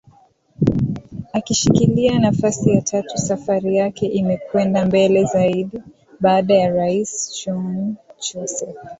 akishikilia nafasi ya tatu Safari yake imekwenda mbele zaidi baada ya Rais John Joseph